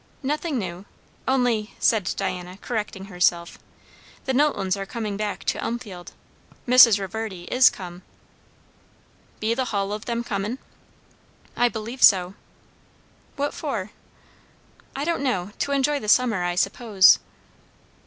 "Nothing new. Only" said Diana, correcting herself, "the Knowltons are coming back to Elmfield. Mrs. Reverdy is come." "Be the hull o' them comin'?" "I believe so." "What for?" "I don't know. To enjoy the summer, I suppose."